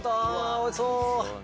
おいしそう！